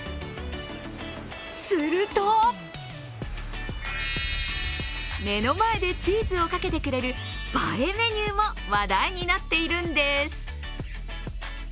すると、目の前でチーズをかけてくれる映えメニューも話題になっているんです。